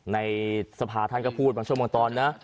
ในสภาท่านก็พูดบางช่วงบางตอนนะ